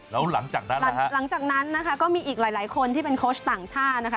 แล้วหลังจากนั้นหลังจากนั้นนะคะก็มีอีกหลายคนที่เป็นโค้ชต่างชาตินะคะ